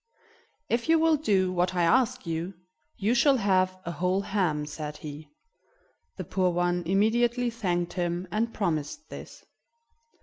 "If you will do what I ask you, you shall have a whole ham," said he. The poor one immediately thanked him, and promised this.